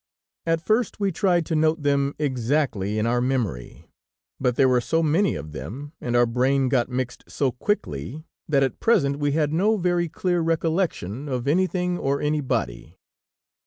At first we tried to note them exactly in our memory, but there were so many of them, and our brain got mixed so quickly, that at present we had no very clear recollection of anything or anybody.